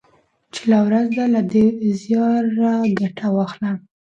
چي لا ورځ ده له دې زياره ګټه واخله